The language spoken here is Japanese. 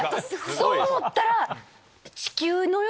そう思ったら。